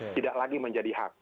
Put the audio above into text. tidak lagi menjadi hak